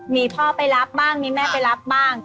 มีพ่อไปรับบ้างมีแม่ไปรับบ้าง